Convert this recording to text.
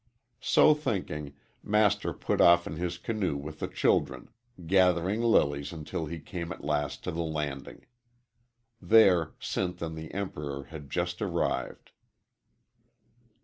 So thinking, Master put off in his canoe with the children, gathering lilies until he came at last to the landing. There Sinth and the Emperor had just arrived.